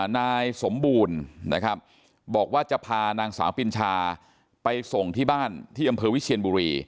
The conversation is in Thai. นายสมบูรณ์นะครับบอกว่าจะพานางสาวปินชาไปส่งที่บ้านที่อำเภอวิเชียนบุรี